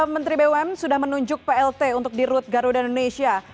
menteri bumn sudah menunjuk plt untuk di root garuda indonesia